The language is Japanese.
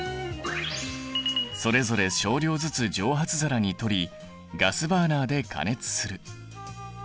それぞれ少量ずつ蒸発皿にとりガスバーナーで加熱する。